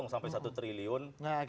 sampai satu triliun